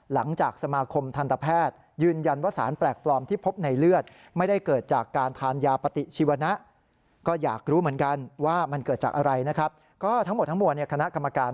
หลังจากสมาคมทันตแพทย์ยืนยันว่าสารแปลกปลอมที่พบในเลือดไม่ได้เกิดจากการทานยาปติชีวนะ